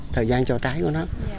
thời gian cho trái của nó